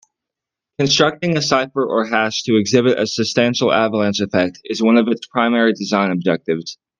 Constructing a cipher or hash to exhibit a substantial avalanche effect is one of its primary design objectives.